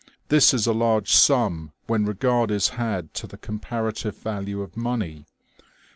This is a large sum when regard is had to the comparative value of money.